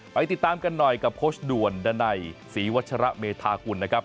ไปติดตามกันหน่อยกับโค้ชด่วนดันัยศรีวัชระเมธากุลนะครับ